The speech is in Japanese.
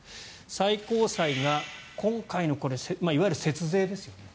最高裁で今回のいわゆる節税ですね。